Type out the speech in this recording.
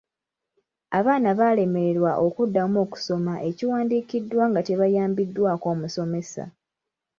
Abaana baalemererwa okuddamu okusoma ekiwandiikiddwa nga tebayambiddwako musomesa.